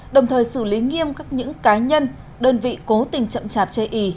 đồng thời xử lý nghiêm các những cá nhân đơn vị cố tình chậm chạp chê ý